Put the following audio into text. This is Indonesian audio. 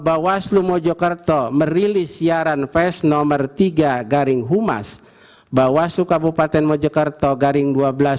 bawaslu mojokerto merilis siaran fest nomor tiga garing humas bawaslu kabupaten mojokerto garing dua belas